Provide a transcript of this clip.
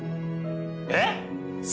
えっ！？